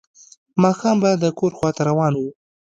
ماښام به د کور خواته روان و.